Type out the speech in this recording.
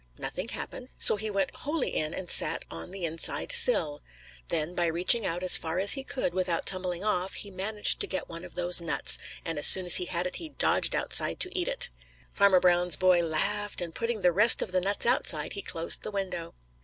Nothing happened, so he went wholly in and sat on the inside sill. Then by reaching out as far as he could without tumbling off, he managed to get one of those nuts, and as soon as he had it, he dodged outside to eat it. Farmer Brown's boy laughed, and putting the rest of the nuts outside, he closed the window.